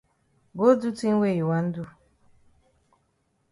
Go do tin wey you wan do.